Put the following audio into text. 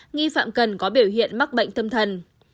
nghi phạm cần có biểu hiện mắc bệnh tâm thần